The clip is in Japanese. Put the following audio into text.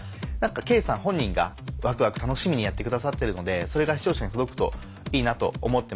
圭さん本人がワクワク楽しみにやってくださってるのでそれが視聴者に届くといいなと思ってます。